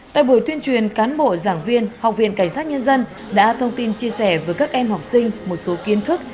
tại buổi tuyên truyền cán bộ giảng viên học viện cảnh sát nhân dân đã thông tin chia sẻ với các em học sinh một số kiến thức